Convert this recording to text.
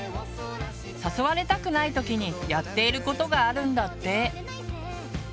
誘われたくない時にやっていることがあるんだって。